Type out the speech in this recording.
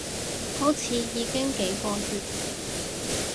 好似已經幾個月